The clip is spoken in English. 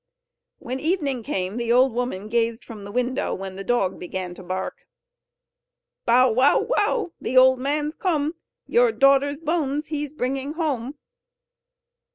When evening came the old woman gazed from the window; when the dog began to bark: "Bow! wow! wow! the old man's come! Your daughter's bones he's bringing home!"